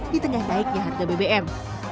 di tengah naiknya harga bbm